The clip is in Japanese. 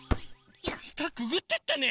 したくぐってったね